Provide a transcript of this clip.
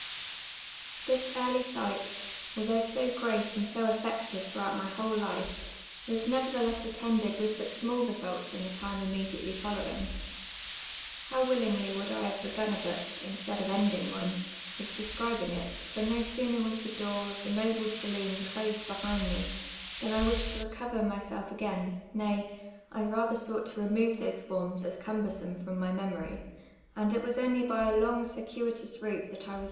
This early sight, although so great and so effective through out my whole life, was nevertheless attended with but small results in the time immediately following. How mllingly would I have begun a book, instead of ending one, with de scribing it ; for no sooner was the door of the noble saloon closed behind me, than I wished to recover myself again, nay, I rather sought to remove those forms as cumbersome from my mcmor\ ; and it was only bv a long circuitous route that I was 2 F 2 436 TRUTH AND POETRY ; FROM MY OWN Lll L.